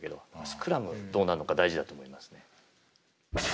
スクラムどうなのか大事だと思いますね。